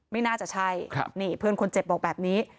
ไม่น่าจะใช่นี่เพื่อนคนเจ็บบอกแบบนี้